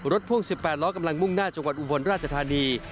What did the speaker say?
พ่วง๑๘ล้อกำลังมุ่งหน้าจังหวัดอุบลราชธานี